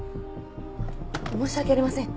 申し訳ありません。